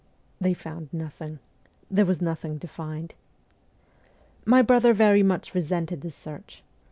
They found nothing there was nothing to find. My brother very much resented this search.